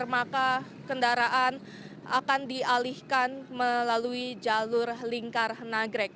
maka kendaraan akan dialihkan melalui jalur lingkar nagrek